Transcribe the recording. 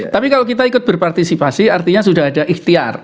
tapi kalau kita ikut berpartisipasi artinya sudah ada ikhtiar